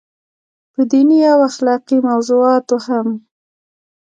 پۀ ديني او اخلاقي موضوعاتو هم